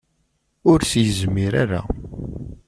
Ur s-yezmir ara.